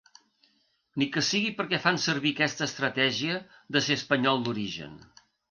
Ni que sigui perquè fan servir aquesta estratègia de ser espanyol d’origen.